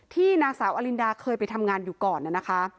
ที่นางสาวอลินดาเคยไปทำงานอยู่ก่อนนะคะ